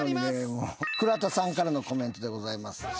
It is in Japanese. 倉田さんからのコメントでございます。